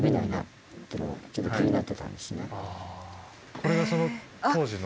これがその当時の？